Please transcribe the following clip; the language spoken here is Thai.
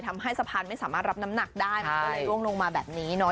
ทำให้สะพานไม่สามารถรับน้ำหนักได้มันก็เลยร่วงลงมาแบบนี้เนาะ